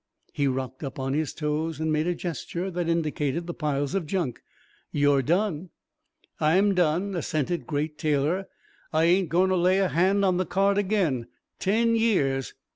He rocked up on his toes and made a gesture that indicated the piles of junk. "You're done." "I'm done," assented Great Taylor. "I ain't going to lay a hand on the cart again. Ten years...."